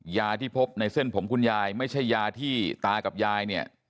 ยาที่พบในเส้นผมคุณยายไม่ใช่ยาที่ตากับยายเนี่ย